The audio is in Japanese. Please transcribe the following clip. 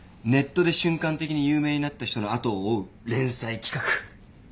ネットで瞬間的に有名になった人の後を追う連載企画。